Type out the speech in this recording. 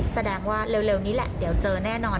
แสดงว่าเร็วนี้แหละเดี๋ยวเจอแน่นอน